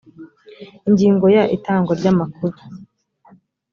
ingingo ya itangwa ry amakuru